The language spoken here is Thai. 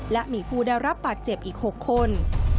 และมีผู้ได้รับบาดเจ็บอีก๖คน